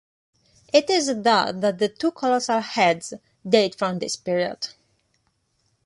It is thought that the two colossal heads date from this period.